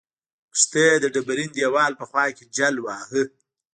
کښتۍ د ډبرین دیوال په خوا کې جل واهه.